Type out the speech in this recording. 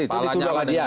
itu dituduh oleh dia